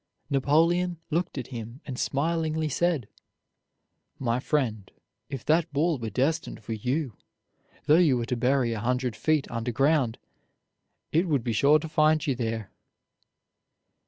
Napoleon looked at him and smilingly said: "My friend, if that ball were destined for you, though you were to burrow a hundred feet under ground it would be sure to find you there."